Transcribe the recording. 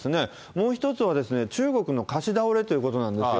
もう１つは中国の貸し倒れということなんですよ。